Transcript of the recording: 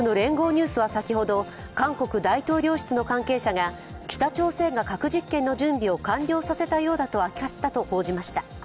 ニュースは先ほど、韓国大統領室の関係者が北朝鮮が核実験の準備を完了させたようだと明かしたと報じました。